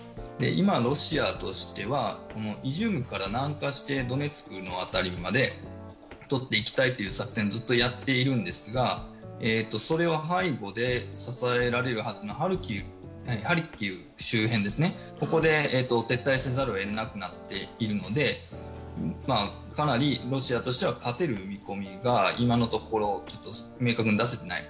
今、ロシアとしてはイジュームから南下してドネツクの辺りまでとっていきたいという作戦でずっとやっているんですが、それを背後で支えられるはずのハルキウ周辺で撤退せざるをえなくなっているのでかなりロシアとしては勝てる見込みが今のところ明確に出せていない。